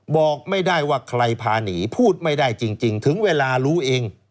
บอกไม่ได้ว่าใครพาหนีพูดไม่ได้จริงถึงเวลารู้เอง